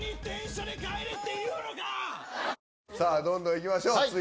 どんどんいきましょう。